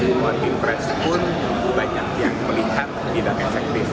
one team press pun banyak yang melihat tidak efektif